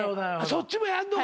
そっちもやんのか。